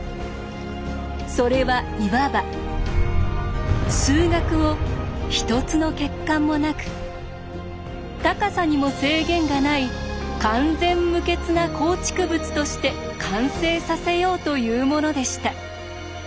それはいわば数学を一つの欠陥もなく高さにも制限がない完全無欠な構築物として完成させようというものでした。